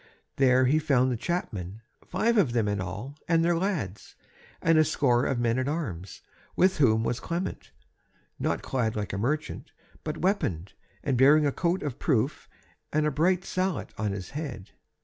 There he found the chapmen, five of them in all, and their lads, and a score of men at arms, with whom was Clement, not clad like a merchant, but weaponed, and bearing a coat of proof and a bright sallet on his head.